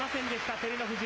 照ノ富士。